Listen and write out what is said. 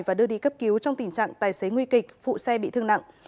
và đưa đi cấp cứu trong tình trạng tài xế nguy kịch phụ xe bị thương nặng